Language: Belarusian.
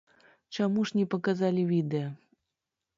Чаму ж не паказалі відэа?